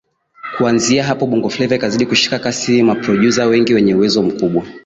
Kuanzia hapo Bongo Fleva ikazidi kushika kasi maprodyuza wengi wenye uwezo mkubwa